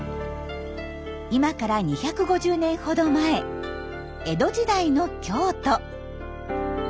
今から２５０年ほど前江戸時代の京都。